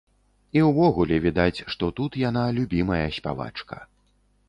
І ўвогуле відаць, што тут яна любімая спявачка.